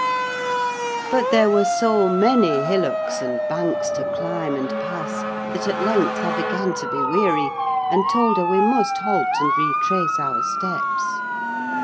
But there were so many hillocks and banks to climb and pass, that, at length, I began to be weary, and told her we must halt, and retrace our steps.